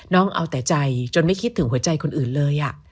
เอาแต่ใจจนไม่คิดถึงหัวใจคนอื่นเลย